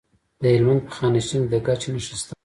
د هلمند په خانشین کې د ګچ نښې شته.